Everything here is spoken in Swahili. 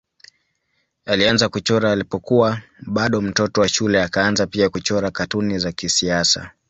Alianza kuchora alipokuwa bado mtoto wa shule akaanza pia kuchora katuni za kisiasa.